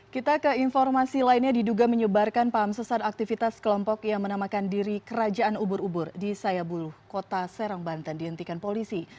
kita ke informasi lainnya diduga menyebarkan paham sesat aktivitas kelompok yang menamakan diri kerajaan ubur ubur di sayabulu kota serang banten dihentikan polisi